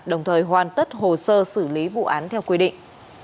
đồng thời hoàn tất hồ sơ xử lý vụ án theo quy định